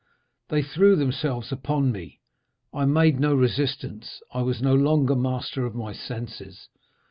They threw themselves upon me. I made no resistance; I was no longer master of my senses.